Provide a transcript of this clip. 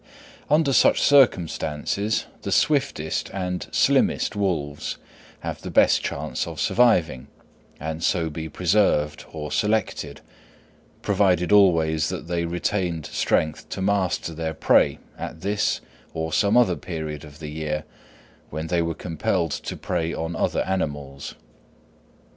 Under such circumstances the swiftest and slimmest wolves have the best chance of surviving, and so be preserved or selected, provided always that they retained strength to master their prey at this or some other period of the year, when they were compelled to prey on other animals.